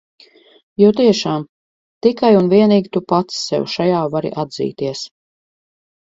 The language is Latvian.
Jo tiešām – tikai un vienīgi tu pats sev šajā vari atzīties.